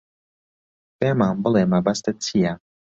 پێمان بڵێ مەبەستت چییە.